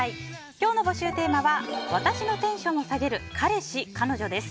今日の募集テーマは私のテンションを下げる彼氏彼女です。